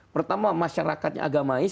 pertama masyarakatnya agamais